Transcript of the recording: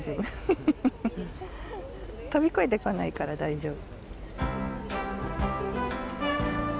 飛び越えてこないから大丈夫。